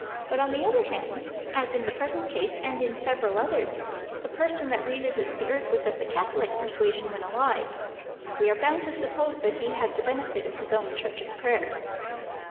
But, on the other hand, as in the present case, and in several others, the person that revisits the earth was of the catholic persuasion when alive, we are bound to suppose that he had the benefit of his own church's prayers.